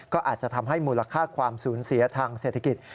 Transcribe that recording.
ก็อาจจะทำให้มูลค่าความสูญเสียทางเศรษฐกิจ